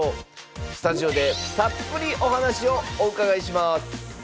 スタジオでたっぷりお話をお伺いします